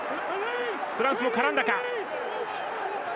フランスも絡んだか。